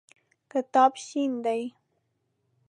کتاب شین دی.